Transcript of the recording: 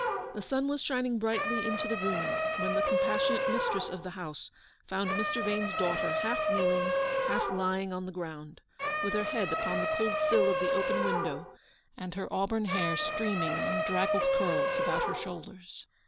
The sun was shining brightly into the room when the compassionate mistress of the house found Mr. Vane's daughter half kneeling, half lying on the ground, with her head upon the cold sill of the open window, and her auburn hair streaming in draggled curls about her shoulders.